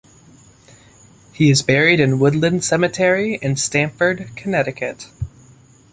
He is buried in Woodland Cemetery, in Stamford, Connecticut.